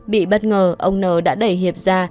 bị bất ngờ ông n đã đẩy hiệp ra